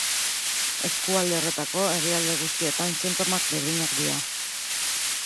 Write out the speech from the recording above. Eskualde horretako herrialde guztietan sintomak berdinak dira.